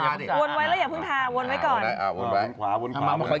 เข้ายังไงยังไง